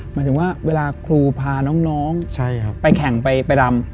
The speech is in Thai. หมายถึงว่าเวลาครูพาน้องไปแข่งไปรำ